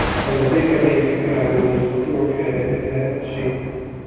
هل لديك أي فكرة عن من يستطيع فعل مِثل هذا الشيء؟